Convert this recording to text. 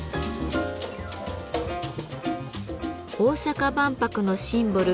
大阪万博のシンボル